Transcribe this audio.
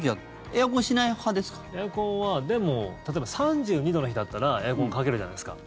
エアコンは例えば、３２度の日だったらエアコンかけるじゃないですか。